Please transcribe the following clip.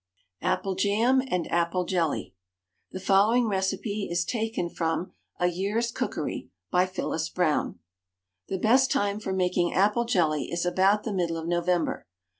APPLE JAM AND APPLE JELLY. The following recipe is taken from "A Year's Cookery," by Phyllis Brown: "The best time for making apple jelly is about the middle of November.